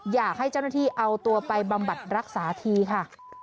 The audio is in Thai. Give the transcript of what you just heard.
อยากให้เจ้าหน้าที่เอาตัวไปบำบัดรักษาทีค่ะ